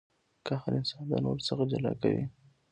قهر انسان د نورو څخه جلا کوي.